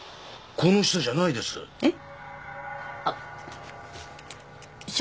この人じゃないです。えっ？